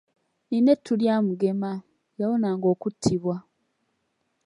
Nnina ettu lya Mugema , yawonanga okuttibwa.